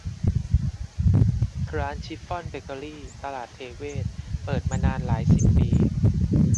ร้านชิฟฟ่อนเบเกอรี่ ตลาดเทเวศร์ เปิดมานานหลายสิบปี